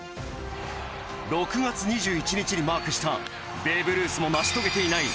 ６月２１日にマークしたベーブ・ルースも成し遂げていない